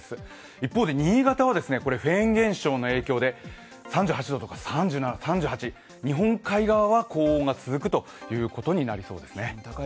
一方で新潟はフェーン現象の影響で３８度、３７度、３８度と日本海側は高温が続くことになりそうですね。